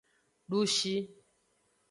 Dushi.